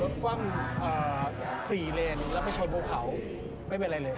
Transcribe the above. กว้าง๔เลนแล้วไปชนภูเขาไม่เป็นไรเลย